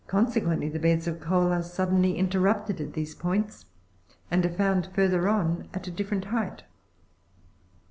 quently the beds of coal are suddenly interrupted at these points, and are found further on at a different height.